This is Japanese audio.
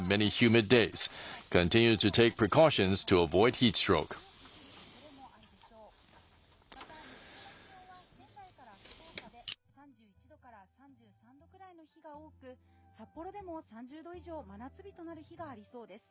また日中の気温は仙台から福岡で３１度から３３度ぐらいの日が多く、札幌でも３０度以上真夏日となる日がありそうです。